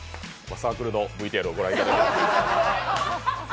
サークルのＶＴＲをご覧いただきました。